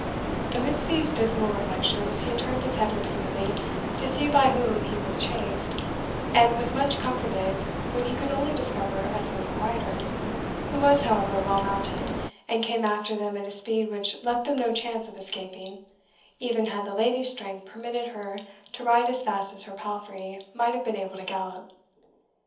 Amidst these dismal reflections, he turned his head repeatedly to see by whom he was chased, and was much comforted when he could only discover a single rider, who was, however, well mounted, and came after them at a speed which left them no chance of escaping, even had the lady's strength permitted her to ride as fast as her palfrey might have been able to gallop.